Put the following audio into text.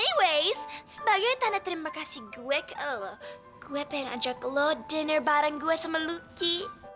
anyways sebagai tanda terima kasih gue ke lo gue pengen ajak lo diner bareng gue sama lucky